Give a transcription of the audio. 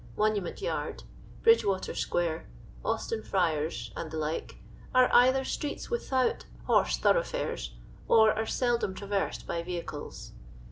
Monu ment yard, Bridgewater square, Austin friars, and the like, are either streets without horse thorough fares, or are seldom traversed by vehicles.